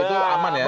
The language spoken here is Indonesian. itu aman ya